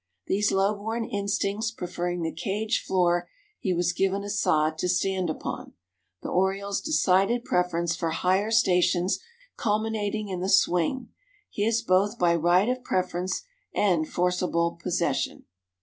These low born instincts preferring the cage floor he was given a sod to stand upon, the oriole's decided preference for higher stations culminating in the swing, his both by right of preference and forcible possession.